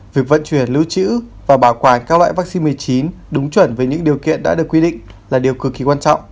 việc vận chuyển lưu trữ và bảo quản các loại vaccine một mươi chín đúng chuẩn với những điều kiện đã được quy định là điều cực kỳ quan trọng